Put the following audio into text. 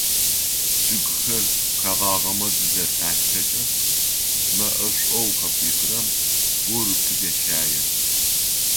Чъыгхэр къэгъагъэмэ зызэлъаштэкӏэ, мэӏэшӏоу къапихырэм гур къыдещае.